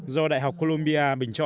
do đại học columbia bình chọn